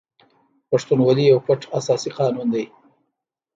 پښتونولي یو پټ اساسي قانون دی.